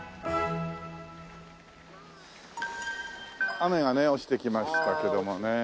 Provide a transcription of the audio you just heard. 雨がね落ちてきましたけどもね。